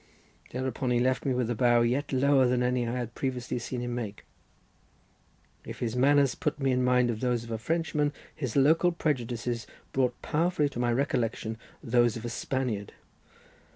Thereupon he left me, with a bow yet lower than any I had previously seen him make. If his manners put me in mind of those of a Frenchman, his local prejudices brought powerfully to my recollection those of a Spaniard.